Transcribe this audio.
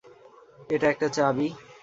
এটা একটা চাবি।